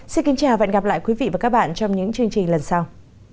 xin kính chào và hẹn gặp lại quý vị và các bạn trong những chương trình lần sau